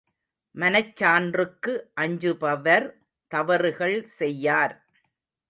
மனச்சான்றுக்கு அஞ்சுபவர் தவறுகள் செய்யார்.